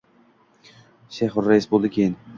Shayxurrais boʼldi keyin